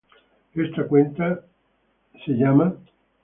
esta cuenta se llamar